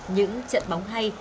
những trận bóng hay